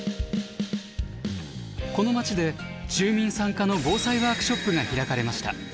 この町で住民参加の防災ワークショップが開かれました。